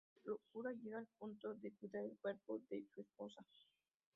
Su locura llega al punto de cuidar el cuerpo de su esposa.